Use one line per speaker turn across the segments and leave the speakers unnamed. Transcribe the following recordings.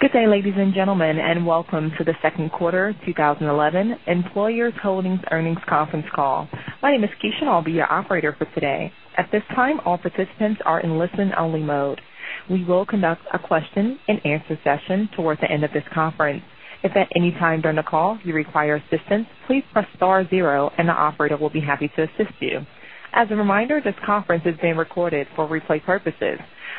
Good day, ladies and gentlemen, and welcome to the second quarter 2011 Employers Holdings earnings conference call. My name is Keisha, and I'll be your operator for today. At this time, all participants are in listen-only mode. We will conduct a question-and-answer session towards the end of this conference. If at any time during the call you require assistance, please press star zero, and the operator will be happy to assist you. As a reminder, this conference is being recorded for replay purposes.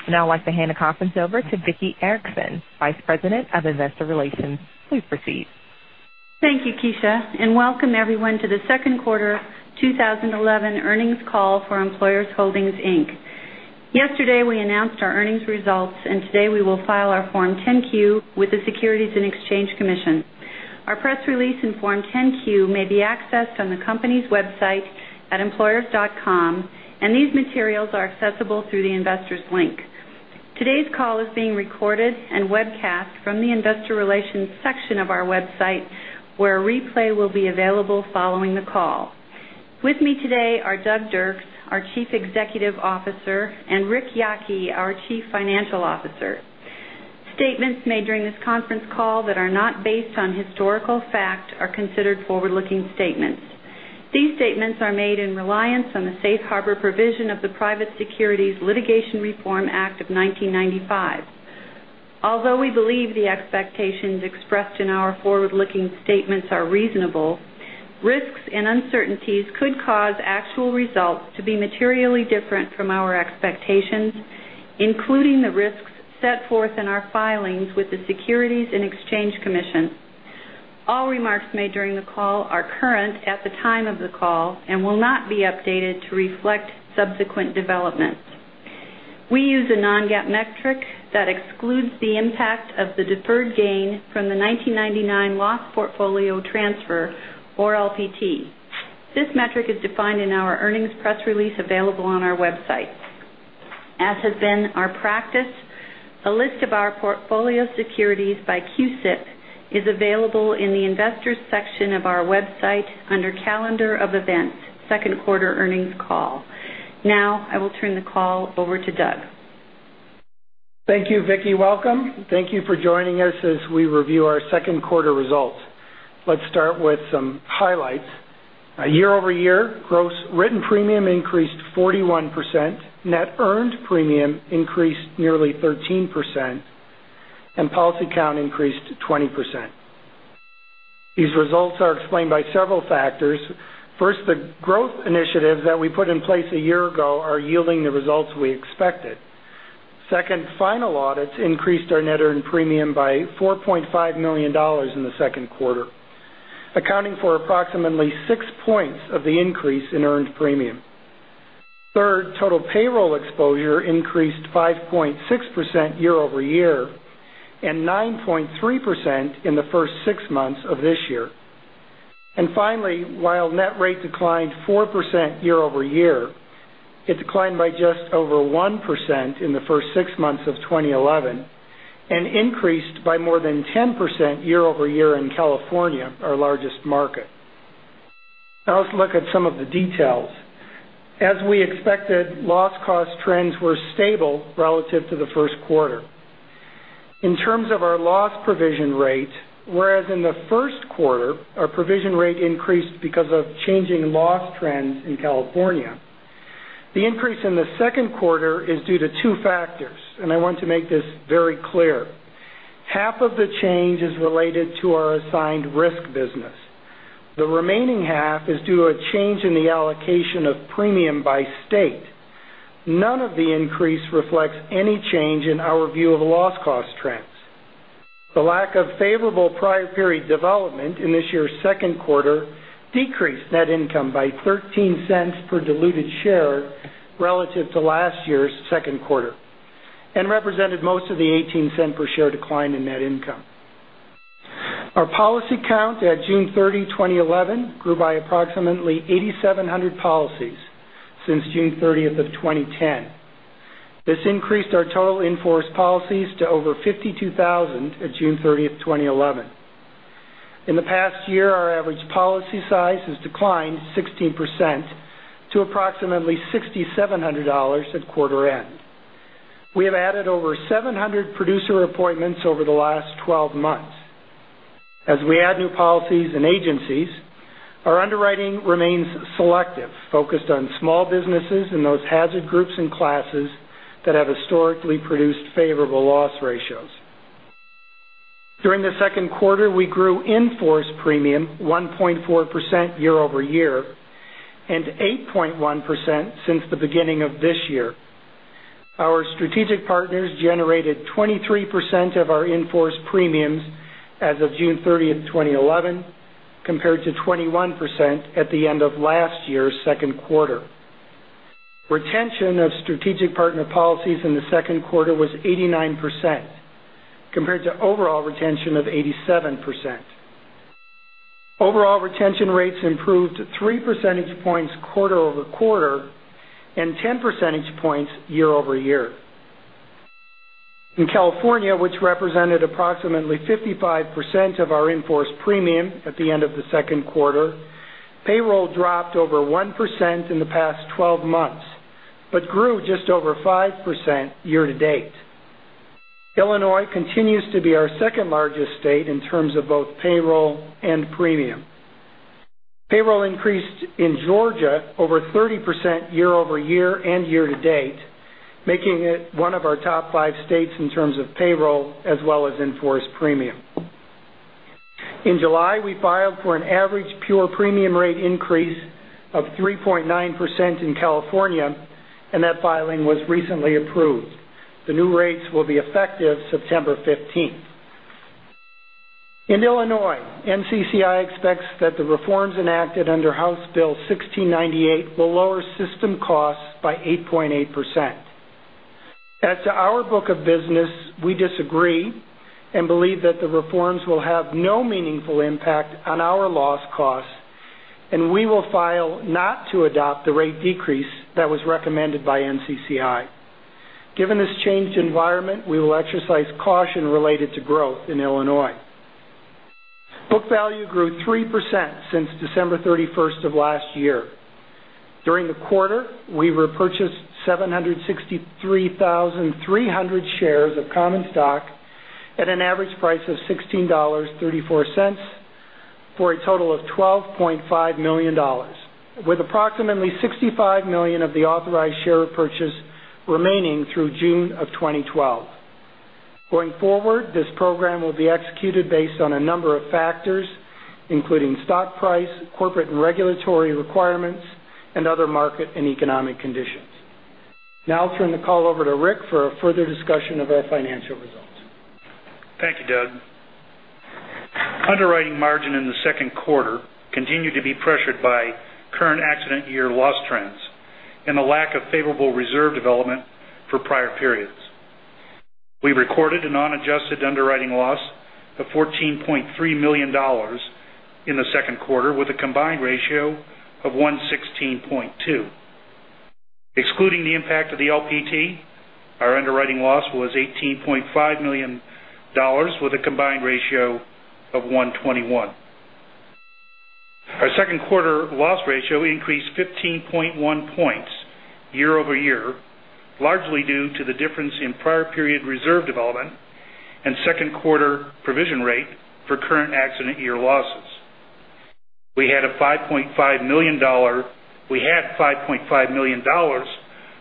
Now I'd like to hand the conference over to Vicki Erickson, Vice President of Investor Relations. Please proceed.
Thank you, Keisha, welcome everyone to the second quarter 2011 earnings call for Employers Holdings, Inc. Yesterday we announced our earnings results. Today we will file our Form 10-Q with the Securities and Exchange Commission. Our press release and Form 10-Q may be accessed on the company's website at employers.com, and these materials are accessible through the investors link. Today's call is being recorded and webcast from the investor relations section of our website, where a replay will be available following the call. With me today are Doug Dirks, our Chief Executive Officer, and Ric Yocke, our Chief Financial Officer. Statements made during this conference call that are not based on historical fact are considered forward-looking statements. These statements are made in reliance on the safe harbor provision of the Private Securities Litigation Reform Act of 1995. Although we believe the expectations expressed in our forward-looking statements are reasonable, risks and uncertainties could cause actual results to be materially different from our expectations, including the risks set forth in our filings with the Securities and Exchange Commission. All remarks made during the call are current at the time of the call and will not be updated to reflect subsequent developments. We use a non-GAAP metric that excludes the impact of the deferred gain from the 1999 loss portfolio transfer, or LPT. This metric is defined in our earnings press release available on our website. As has been our practice, a list of our portfolio securities by CUSIP is available in the investors section of our website under calendar of events second quarter earnings call. Now I will turn the call over to Doug.
Thank you, Vicki. Welcome. Thank you for joining us as we review our second quarter results. Let's start with some highlights. Year-over-year, gross written premium increased 41%, net earned premium increased nearly 13%, and policy count increased 20%. These results are explained by several factors. First, the growth initiatives that we put in place a year ago are yielding the results we expected. Second, final audits increased our net earned premium by $4.5 million in the second quarter, accounting for approximately six points of the increase in earned premium. Third, total payroll exposure increased 5.6% year-over-year and 9.3% in the first six months of this year. Finally, while net rate declined 4% year-over-year, it declined by just over 1% in the first six months of 2011 and increased by more than 10% year-over-year in California, our largest market. Now let's look at some of the details. As we expected, loss cost trends were stable relative to the first quarter. In terms of our loss provision rate, whereas in the first quarter, our provision rate increased because of changing loss trends in California, the increase in the second quarter is due to two factors, and I want to make this very clear. Half of the change is related to our assigned risk business. The remaining half is due to a change in the allocation of premium by state. None of the increase reflects any change in our view of loss cost trends. The lack of favorable prior period development in this year's second quarter decreased net income by $0.13 per diluted share relative to last year's second quarter and represented most of the $0.18 per share decline in net income. Our policy count at June 30, 2011, grew by approximately 8,700 policies since June 30th of 2010. This increased our total in-force policies to over 52,000 at June 30th, 2011. In the past year, our average policy size has declined 16% to approximately $6,700 at quarter end. We have added over 700 producer appointments over the last 12 months. As we add new policies and agencies, our underwriting remains selective, focused on small businesses and those hazard groups and classes that have historically produced favorable loss ratios. During the second quarter, we grew in-force premium 1.4% year-over-year and 8.1% since the beginning of this year. Our strategic partners generated 23% of our in-force premiums as of June 30th, 2011, compared to 21% at the end of last year's second quarter. Retention of strategic partner policies in the second quarter was 89%, compared to overall retention of 87%. Overall retention rates improved 3 percentage points quarter-over-quarter and 10 percentage points year-over-year. In California, which represented approximately 55% of our in-force premium at the end of the second quarter, payroll dropped over 1% in the past 12 months. Grew just over 5% year-to-date. Illinois continues to be our second largest state in terms of both payroll and premium. Payroll increased in Georgia over 30% year-over-year and year-to-date, making it one of our top five states in terms of payroll as well as in-force premium. In July, we filed for an average pure premium rate increase of 3.9% in California, and that filing was recently approved. The new rates will be effective September 15th. In Illinois, NCCI expects that the reforms enacted under House Bill 1698 will lower system costs by 8.8%. As to our book of business, we disagree and believe that the reforms will have no meaningful impact on our loss costs, and we will file not to adopt the rate decrease that was recommended by NCCI. Given this changed environment, we will exercise caution related to growth in Illinois. Book value grew 3% since December 31st of last year. During the quarter, we repurchased 763,300 shares of common stock at an average price of $16.34 for a total of $12.5 million, with approximately $65 million of the authorized share repurchase remaining through June of 2012. Going forward, this program will be executed based on a number of factors, including stock price, corporate and regulatory requirements, and other market and economic conditions. Now I'll turn the call over to Ric for a further discussion of our financial results.
Thank you, Doug. Underwriting margin in the second quarter continued to be pressured by current accident year loss trends and a lack of favorable reserve development for prior periods. We recorded a non-adjusted underwriting loss of $14.3 million in the second quarter, with a combined ratio of 116.2. Excluding the impact of the LPT, our underwriting loss was $18.5 million with a combined ratio of 121. Our second quarter loss ratio increased 15.1 points year-over-year, largely due to the difference in prior period reserve development and second quarter provision rate for current accident year losses. We had $5.5 million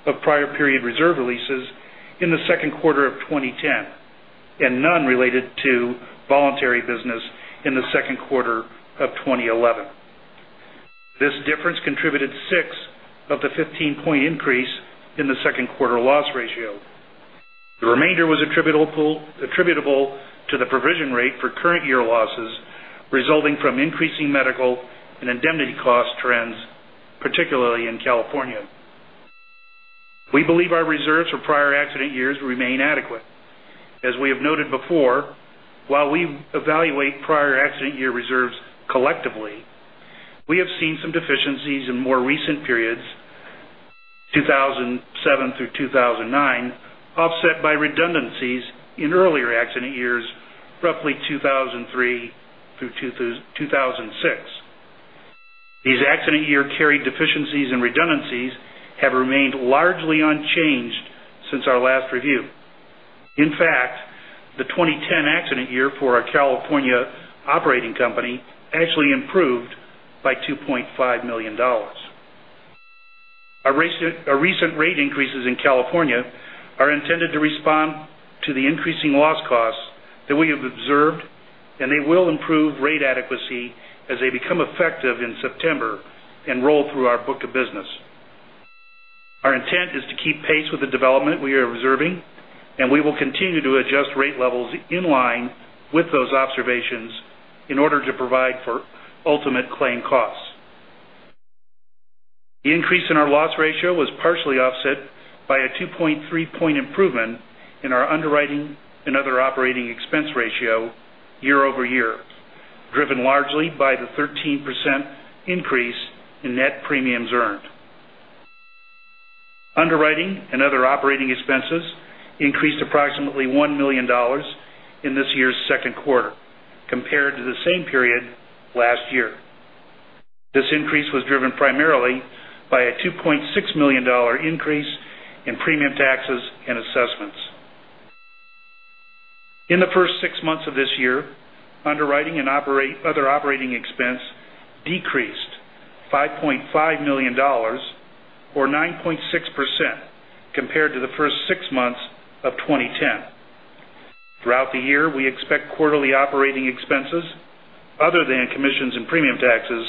of prior period reserve releases in the second quarter of 2010, and none related to voluntary business in the second quarter of 2011. This difference contributed six of the 15-point increase in the second quarter loss ratio. The remainder was attributable to the provision rate for current year losses resulting from increasing medical and indemnity cost trends, particularly in California. We believe our reserves for prior accident years remain adequate. As we have noted before, while we evaluate prior accident year reserves collectively, we have seen some deficiencies in more recent periods, 2007 through 2009, offset by redundancies in earlier accident years, roughly 2003 through 2006. These accident year carry deficiencies and redundancies have remained largely unchanged since our last review. In fact, the 2010 accident year for our California operating company actually improved by $2.5 million. Our recent rate increases in California are intended to respond to the increasing loss costs that we have observed, and they will improve rate adequacy as they become effective in September and roll through our book of business. Our intent is to keep pace with the development we are reserving, and we will continue to adjust rate levels in line with those observations in order to provide for ultimate claim costs. The increase in our loss ratio was partially offset by a 2.3-point improvement in our underwriting and other operating expense ratio year-over-year, driven largely by the 13% increase in net premiums earned. Underwriting and other operating expenses increased approximately $1 million in this year's second quarter compared to the same period last year. This increase was driven primarily by a $2.6 million increase in premium taxes and assessments. In the first six months of this year, underwriting and other operating expense decreased $5.5 million, or 9.6%, compared to the first six months of 2010. Throughout the year, we expect quarterly operating expenses, other than commissions and premium taxes,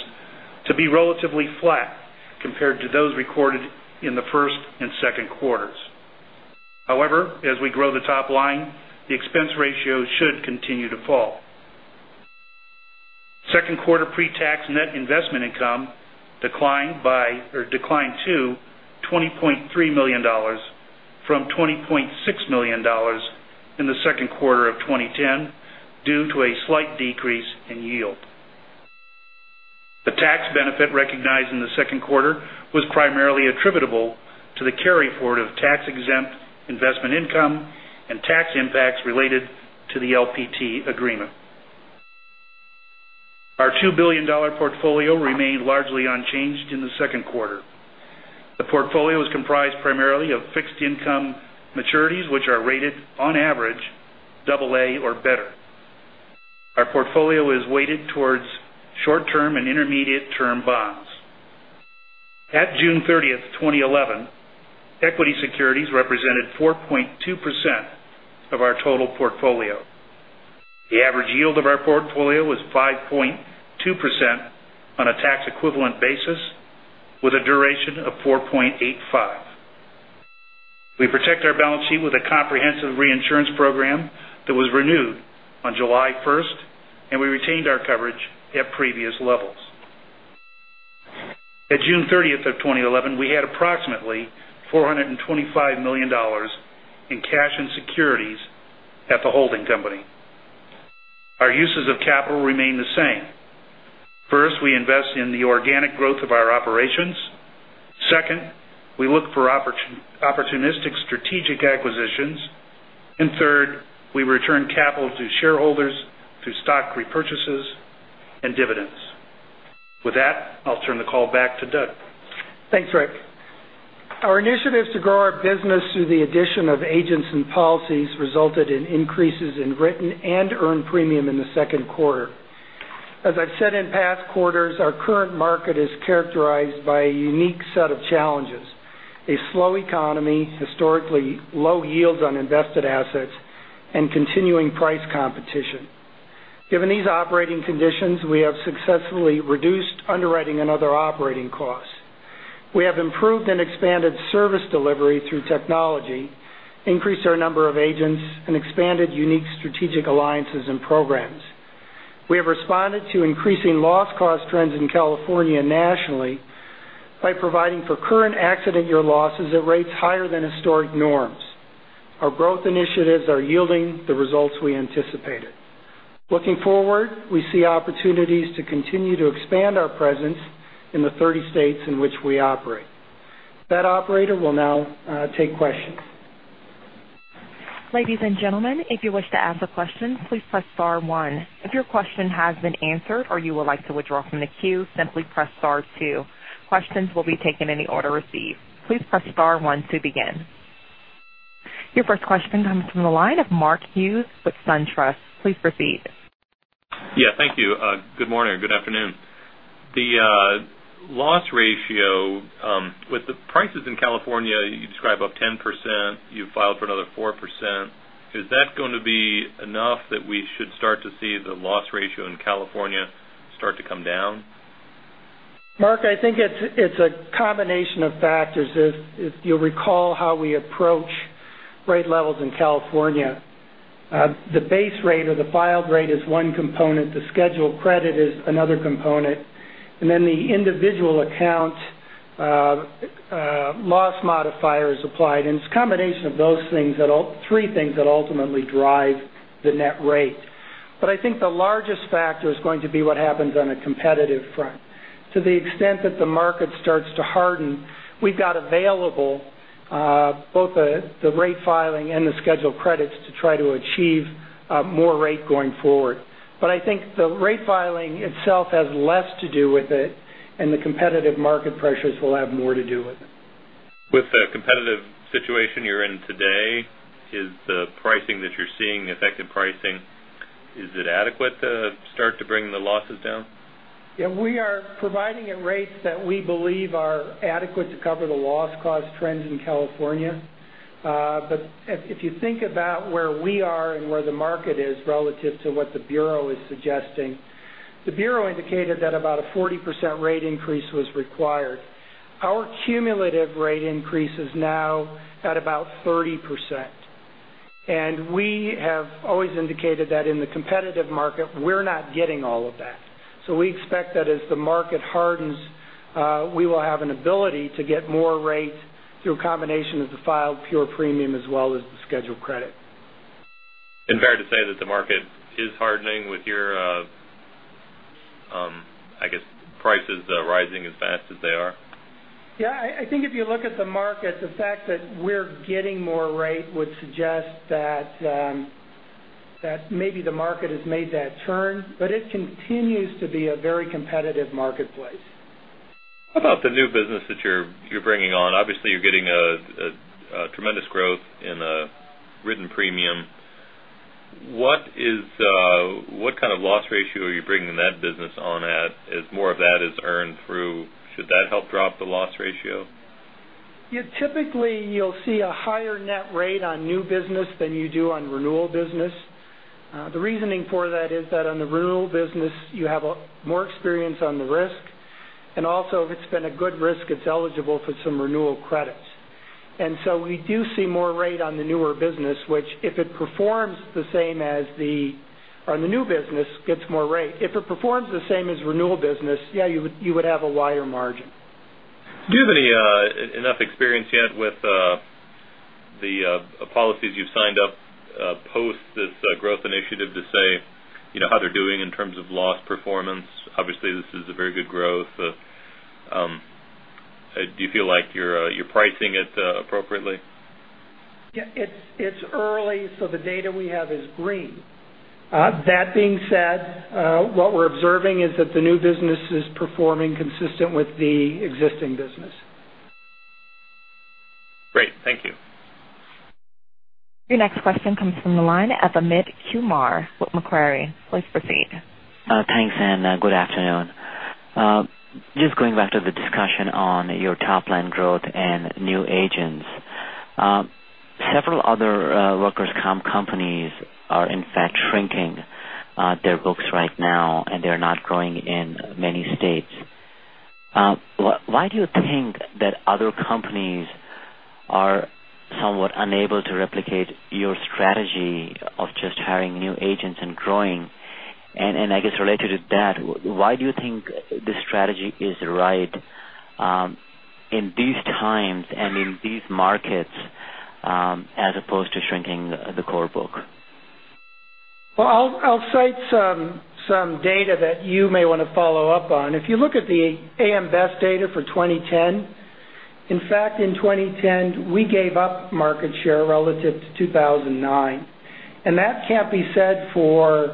to be relatively flat compared to those recorded in the first and second quarters. As we grow the top line, the expense ratio should continue to fall. Second quarter pre-tax net investment income declined to $20.3 million from $20.6 million in the second quarter of 2010 due to a slight decrease in yield. The tax benefit recognized in the second quarter was primarily attributable to the carry-forward of tax-exempt investment income and tax impacts related to the LPT agreement. Our $2 billion portfolio remained largely unchanged in the second quarter. The portfolio is comprised primarily of fixed income maturities, which are rated, on average, double A or better. Our portfolio is weighted towards short-term and intermediate-term bonds. At June 30th, 2011, equity securities represented 4.2% of our total portfolio. The average yield of our portfolio was 5.2% on a tax-equivalent basis with a duration of 4.85. We protect our balance sheet with a comprehensive reinsurance program that was renewed on July 1st, and we retained our coverage at previous levels. At June 30th of 2011, we had approximately $425 million in cash and securities at the holding company. Our uses of capital remain the same. First, we invest in the organic growth of our operations. Second, we look for opportunistic strategic acquisitions. Third, we return capital to shareholders through stock repurchases and dividends. With that, I'll turn the call back to Doug.
Thanks, Ric. Our initiatives to grow our business through the addition of agents and policies resulted in increases in written and earned premium in the second quarter. As I've said in past quarters, our current market is characterized by a unique set of challenges, a slow economy, historically low yields on invested assets, and continuing price competition. Given these operating conditions, we have successfully reduced underwriting and other operating costs. We have improved and expanded service delivery through technology, increased our number of agents, and expanded unique strategic alliances and programs. We have responded to increasing loss cost trends in California nationally by providing for current accident year losses at rates higher than historic norms. Our growth initiatives are yielding the results we anticipated. Looking forward, we see opportunities to continue to expand our presence in the 30 states in which we operate. That operator will now take questions.
Ladies and gentlemen, if you wish to ask a question, please press star one. If your question has been answered or you would like to withdraw from the queue, simply press star two. Questions will be taken in the order received. Please press star one to begin. Your first question comes from the line of Mark Hughes with SunTrust. Please proceed.
Yeah, thank you. Good morning. Good afternoon. The loss ratio with the prices in California, you describe up 10%, you've filed for another 4%. Is that going to be enough that we should start to see the loss ratio in California start to come down?
Mark, I think it's a combination of factors. If you'll recall how we approach rate levels in California, the base rate or the filed rate is one component. The scheduled credit is another component. The individual account loss modifier is applied, and it's a combination of those three things that ultimately drive the net rate. I think the largest factor is going to be what happens on a competitive front. To the extent that the market starts to harden, we've got available both the rate filing and the scheduled credits to try to achieve more rate going forward. I think the rate filing itself has less to do with it and the competitive market pressures will have more to do with it.
With the competitive situation you're in today, is the pricing that you're seeing, effective pricing, is it adequate to start to bring the losses down?
Yeah, we are providing at rates that we believe are adequate to cover the loss cost trends in California. If you think about where we are and where the market is relative to what the Bureau is suggesting, the Bureau indicated that about a 40% rate increase was required. Our cumulative rate increase is now at about 30%, and we have always indicated that in the competitive market, we're not getting all of that. We expect that as the market hardens, we will have an ability to get more rates through a combination of the filed pure premium as well as the scheduled credit.
Fair to say that the market is hardening with your, I guess, prices rising as fast as they are?
Yeah, I think if you look at the market, the fact that we're getting more rate would suggest that maybe the market has made that turn, but it continues to be a very competitive marketplace.
How about the new business that you're bringing on? Obviously, you're getting a tremendous growth in written premium. What kind of loss ratio are you bringing that business on at as more of that is earned through? Should that help drop the loss ratio?
Yeah, typically, you'll see a higher net rate on new business than you do on renewal business. The reasoning for that is that on the renewal business, you have more experience on the risk, and also, if it's been a good risk, it's eligible for some renewal credits. We do see more rate on the newer business, which if it performs the same as on the new business, gets more rate. If it performs the same as renewal business, yeah, you would have a wider margin.
Do you have enough experience yet with the policies you've signed up post this growth initiative to say how they're doing in terms of loss performance? Obviously, this is a very good growth. Do you feel like you're pricing it appropriately?
Yeah, it's early, the data we have is green. That being said, what we're observing is that the new business is performing consistent with the existing business.
Great. Thank you.
Your next question comes from the line of Amit Kumar with Macquarie. Please proceed.
Thanks. Good afternoon. Just going back to the discussion on your top-line growth and new agents. Several other workers' comp companies are, in fact, shrinking their books right now, and they're not growing in many states. Why do you think that other companies are somewhat unable to replicate your strategy of just hiring new agents and growing? And I guess related to that, why do you think this strategy is right in these times and in these markets, as opposed to shrinking the core book?
I'll cite some data that you may want to follow up on. If you look at the AM Best data for 2010, in fact, in 2010, we gave up market share relative to 2009, and that can't be said for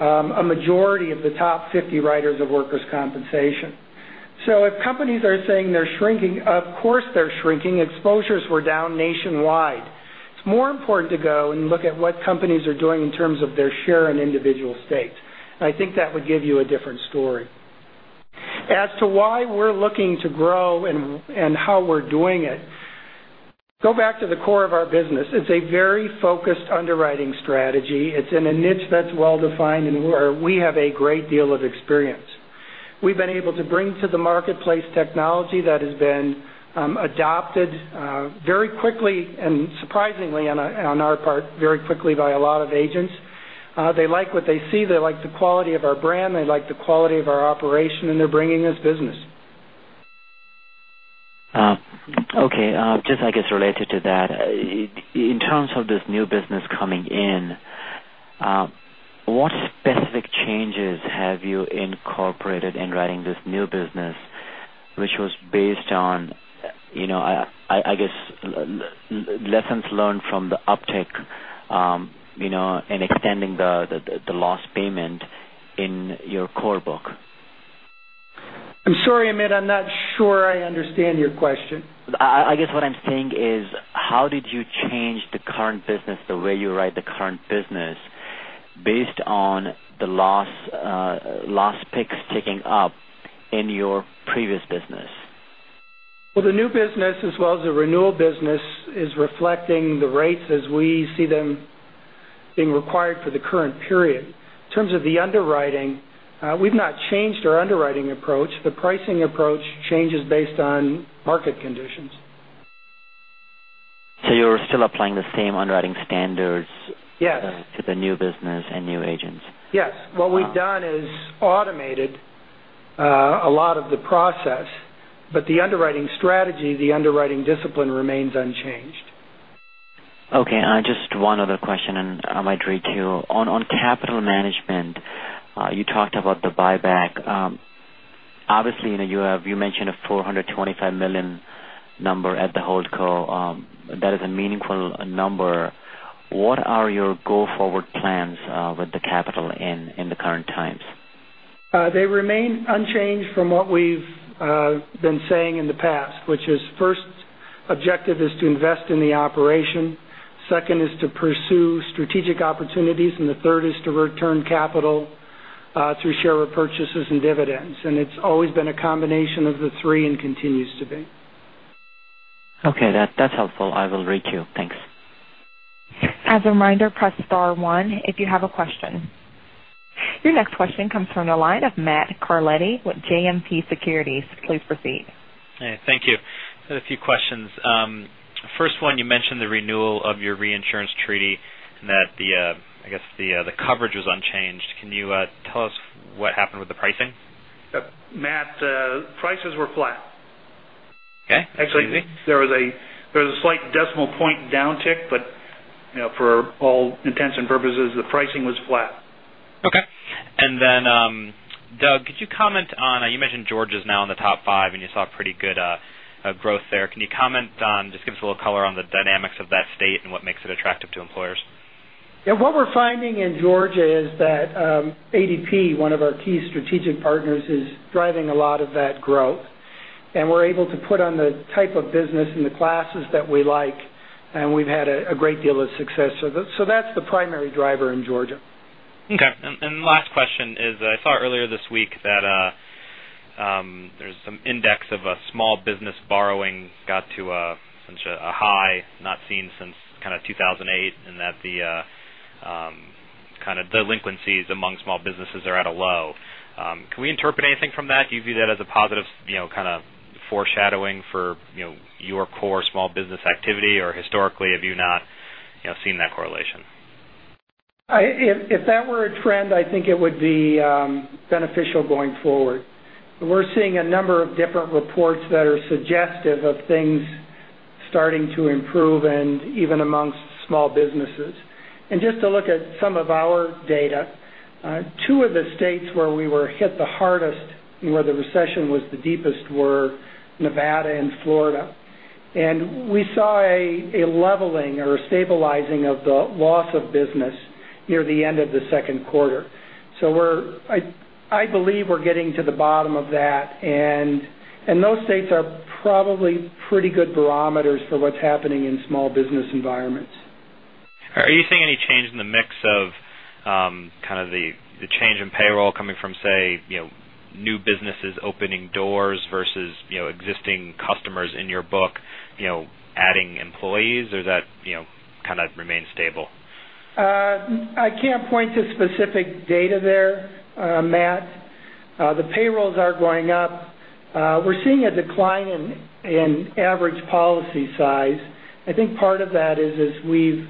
a majority of the top 50 writers of workers' compensation. If companies are saying they're shrinking, of course, they're shrinking. Exposures were down nationwide. It's more important to go and look at what companies are doing in terms of their share in individual states. I think that would give you a different story. As to why we're looking to grow and how we're doing it, go back to the core of our business. It's a very focused underwriting strategy. It's in a niche that's well-defined and where we have a great deal of experience. We've been able to bring to the marketplace technology that has been adopted very quickly and surprisingly on our part, very quickly by a lot of agents. They like what they see. They like the quality of our brand, they like the quality of our operation, and they're bringing us business.
Okay. Just, I guess, related to that, in terms of this new business coming in, what specific changes have you incorporated in writing this new business, which was based on, I guess, lessons learned from the uptick, and extending the loss payment in your core book?
I'm sorry, Amit. I'm not sure I understand your question.
I guess what I'm saying is, how did you change the current business, the way you write the current business based on the loss picks ticking up in your previous business?
Well, the new business as well as the renewal business is reflecting the rates as we see them being required for the current period. In terms of the underwriting, we've not changed our underwriting approach. The pricing approach changes based on market conditions.
You're still applying the same underwriting standards.
Yes
to the new business and new agents.
Yes. What we've done is automated a lot of the process, but the underwriting strategy, the underwriting discipline remains unchanged.
Okay, just one other question. I might requeue. On capital management, you talked about the buyback. Obviously, you mentioned a $425 million number at the Holdco. That is a meaningful number. What are your go-forward plans with the capital in the current times?
They remain unchanged from what we've been saying in the past, which is first objective is to invest in the operation, second is to pursue strategic opportunities, and the third is to return capital through share repurchases and dividends. It's always been a combination of the three and continues to be.
Okay. That's helpful. I will requeue. Thanks.
As a reminder, press star one if you have a question. Your next question comes from the line of Matt Carletti with JMP Securities. Please proceed.
Hey, thank you. I have a few questions. First one, you mentioned the renewal of your reinsurance treaty and that the coverage was unchanged. Can you tell us what happened with the pricing?
Matt, prices were flat.
Okay.
Actually, there was a slight decimal point downtick, for all intents and purposes, the pricing was flat.
Doug, could you comment on, you mentioned Georgia's now in the top five and you saw pretty good growth there. Can you comment on, just give us a little color on the dynamics of that state and what makes it attractive to employers?
Yeah. What we're finding in Georgia is that ADP, one of our key strategic partners, is driving a lot of that growth, and we're able to put on the type of business and the classes that we like, and we've had a great deal of success with it. That's the primary driver in Georgia.
Okay. Last question is, I saw earlier this week that there's some index of a small business borrowing got to such a high not seen since kind of 2008, and that the kind of delinquencies among small businesses are at a low. Can we interpret anything from that? Do you view that as a positive kind of foreshadowing for your core small business activity? Historically, have you not seen that correlation?
If that were a trend, I think it would be beneficial going forward. We're seeing a number of different reports that are suggestive of things starting to improve and even amongst small businesses. Just to look at some of our data, two of the states where we were hit the hardest and where the recession was the deepest were Nevada and Florida. We saw a leveling or a stabilizing of the loss of business near the end of the second quarter. I believe we're getting to the bottom of that. Those states are probably pretty good barometers for what's happening in small business environments.
Are you seeing any change in the mix of kind of the change in payroll coming from, say, new businesses opening doors versus existing customers in your book adding employees, or does that kind of remain stable?
I can't point to specific data there, Matt. The payrolls are going up. We're seeing a decline in average policy size. I think part of that is as we've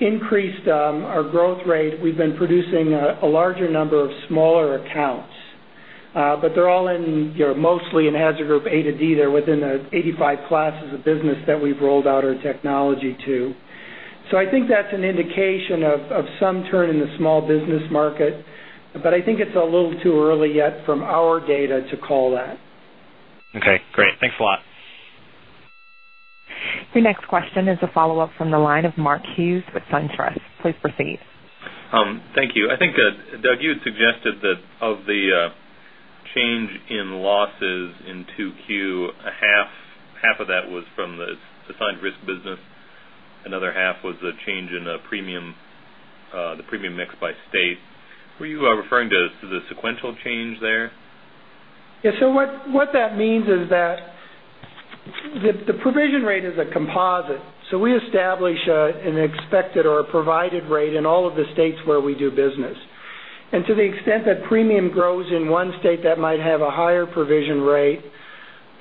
increased our growth rate, we've been producing a larger number of smaller accounts. They're all mostly in hazard group A to D. They're within the 85 classes of business that we've rolled out our technology to. I think that's an indication of some turn in the small business market, but I think it's a little too early yet from our data to call that.
Okay, great. Thanks a lot.
Your next question is a follow-up from the line of Mark Hughes with SunTrust. Please proceed.
Thank you. I think that, Doug, you had suggested that of the change in losses in 2Q, half of that was from the assigned risk business, another half was a change in the premium mix by state. Were you referring to the sequential change there?
Yeah. What that means is that the provision rate is a composite. We establish an expected or a provided rate in all of the states where we do business. To the extent that premium grows in one state that might have a higher provision rate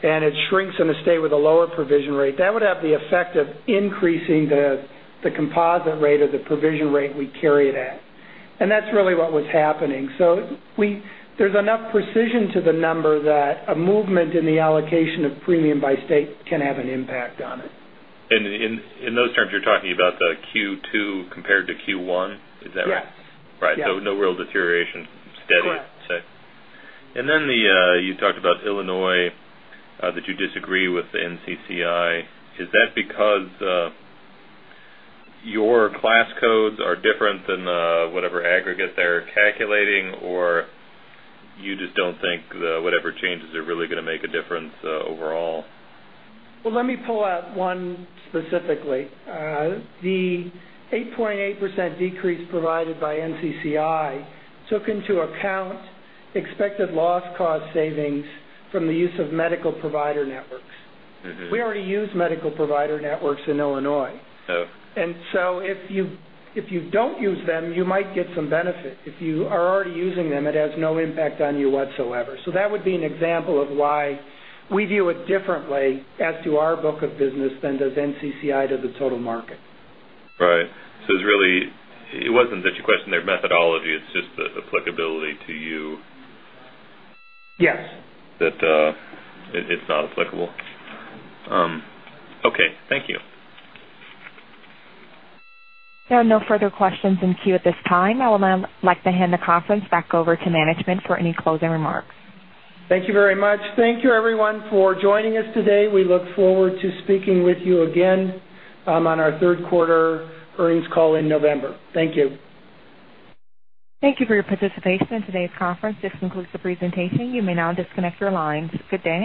and it shrinks in a state with a lower provision rate, that would have the effect of increasing the composite rate or the provision rate we carry it at. That's really what was happening. There's enough precision to the number that a movement in the allocation of premium by state can have an impact on it.
In those terms, you're talking about the Q2 compared to Q1. Is that right?
Yes.
Right. No real deterioration. Steady.
Correct.
you talked about Illinois, that you disagree with the NCCI. Is that because your class codes are different than whatever aggregate they're calculating, or you just don't think that whatever changes are really going to make a difference overall?
Well, let me pull out one specifically. The 8.8% decrease provided by NCCI took into account expected loss cost savings from the use of medical provider networks. We already use medical provider networks in Illinois.
Oh.
if you don't use them, you might get some benefit. If you are already using them, it has no impact on you whatsoever. That would be an example of why we view it differently as to our book of business than does NCCI to the total market.
Right. It wasn't that you questioned their methodology, it's just the applicability to you.
Yes.
That it's not applicable. Okay. Thank you.
There are no further questions in queue at this time. I would now like to hand the conference back over to management for any closing remarks.
Thank you very much. Thank you everyone for joining us today. We look forward to speaking with you again on our third quarter earnings call in November. Thank you.
Thank you for your participation in today's conference. This concludes the presentation. You may now disconnect your lines. Good day.